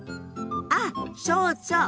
あっそうそう！